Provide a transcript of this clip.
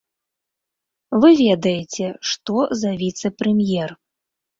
Вы ведаеце, што за віцэ-прэм'ер.